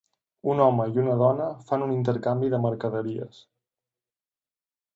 Un home i una dona fan un intercanvi de mercaderies.